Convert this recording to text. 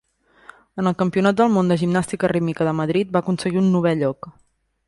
En el Campionat del Món de Gimnàstica Rítmica de Madrid va aconseguir un novè lloc.